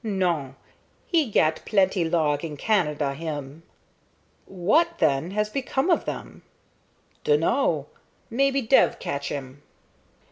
"Non. He gat plenty log in Canada, him." "What, then, has become of them?" "Dunno. Maybe dev catch him."